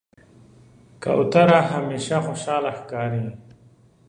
کوتره همیشه خوشحاله ښکاري.